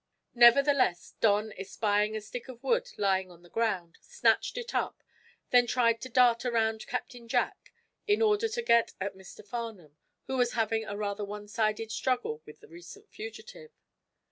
Nevertheless, Don, espying a stick of wood lying on the ground, snatched it up, then tried to dart around Captain Jack in order to get at Mr. Farnum, who was having a rather one sided struggle with the recent fugitive.